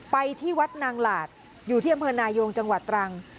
ไปที่วัดนางหลาศอยู่ที่บนพนายท์ยงจังหวัดตรัง